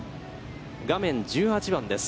画面、１８番です。